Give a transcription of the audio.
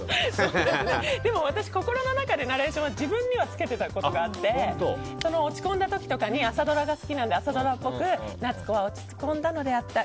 でも私、心の中でナレーションは自分にはつけていたことがあって落ち込んだ時とかに朝ドラが好きなので朝ドラっぽく夏子は落ち込んだのであった。